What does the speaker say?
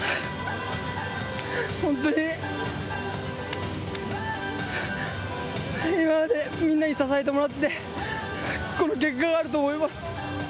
本当に今までみんなに支えてもらってこの結果があると思います。